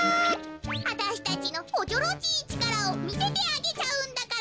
わたしたちのおちょろちいちからをみせてあげちゃうんだから。